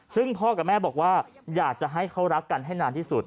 ซึ่งพ่อกับแม่บอกว่าอยากจะให้เขารักกันให้นานที่สุด